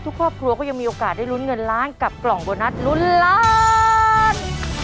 ครอบครัวก็ยังมีโอกาสได้ลุ้นเงินล้านกับกล่องโบนัสลุ้นล้าน